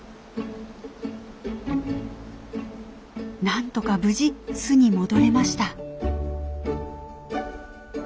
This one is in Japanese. なんとか無事巣に戻れました。